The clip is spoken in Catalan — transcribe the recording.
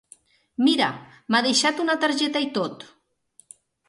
Mira, m'ha deixat una targeta i tot.